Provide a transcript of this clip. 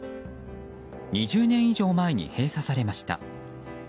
２０年以上前に閉鎖されました。